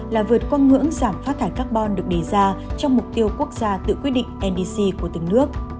là vượt qua ngưỡng giảm phát thải carbon được đề ra trong mục tiêu quốc gia tự quyết định ndc của từng nước